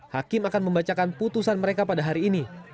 hakim akan membacakan putusan mereka pada hari ini